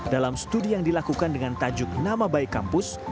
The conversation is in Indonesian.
dalam studi yang dilakukan dengan tajuk nama baik kampus